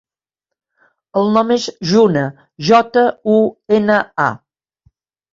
El nom és Juna: jota, u, ena, a.